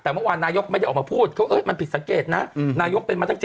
นั่นแน่น่ะสิเขาก็ต้อง